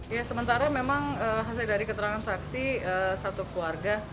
ya sementara memang hasil dari keterangan saksi satu keluarga